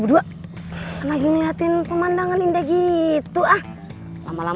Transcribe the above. banget adem banget ngeliatnya iya mbak mir hai semoga jadi ini cinta terakhirnya mas rendy